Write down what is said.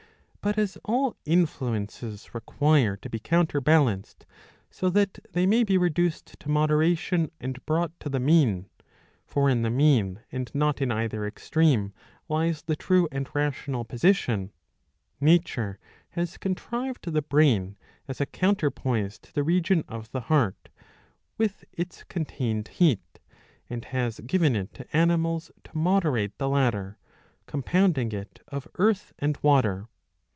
But as all influences require to be counterbalanced, so that they may be reduced to moderation and brought to the mean (for in the mean, and not in either extreme, lies the true and rational position), nature has contrived the brain as a counterpoise to the region of the heart with its contained heat, and has given it to animals to moderate the latter, com pounding it of earth and water.